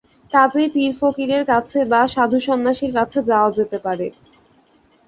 কাজেই পীর-ফকিরের কাছে বা সাধুসন্ন্যাসীর কাছে যাওয়া যেতে পারে।